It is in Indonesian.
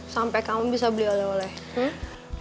sampai kamu bisa beli oleh oleh